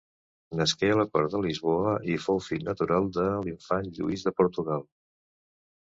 Nasqué a la cort de Lisboa i fou fill natural de l'infant Lluís de Portugal.